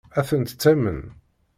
Ad tent-tamen?